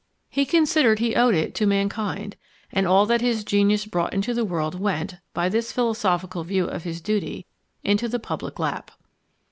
He considered he owed it to mankind, and all that his genius brought into the world went, by this philosophical view of his duty, into the public lap.